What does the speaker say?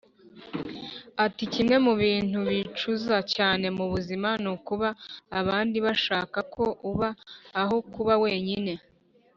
ati: “kimwe mu bintu bicuza cyane mu buzima ni ukuba abandi bashaka ko uba, aho kuba wenyine.”